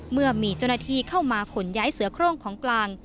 เมื่อมีเจ้าหน้าที่เข้ามาขนย้ายเสือโครงของกลาง